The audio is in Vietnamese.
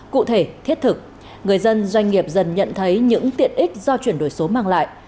cụ thể thiết thực người dân doanh nghiệp dần nhận thấy những tiện ích do chuyển đổi số mang lại